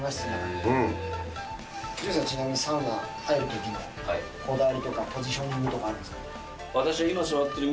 潤さん、ちなみにサウナ入るときには、こだわりとかポジショニングとかあるんですか？